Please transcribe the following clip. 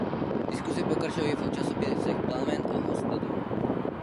Diskuse pokračovala i v časopisech "Plamen" a "Host do domu".